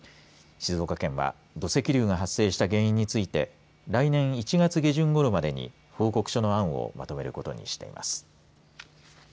静岡県は土石流が発生した原因について来年１月下旬ごろまでに報告書の案をまとめることにしています。